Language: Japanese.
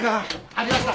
ありました。